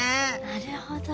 なるほど。